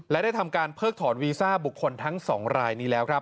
และได้ทำการเพิกถอนวีซ่าบุคคลทั้ง๒รายนี้แล้วครับ